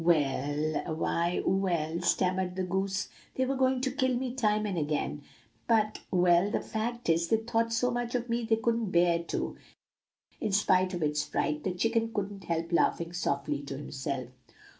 "'What! why well ' stammered the goose, 'they were going to kill me time and again, but well, the fact is, they thought so much of me they couldn't bear to.' In spite of its fright, the chicken couldn't help laughing softly to itself.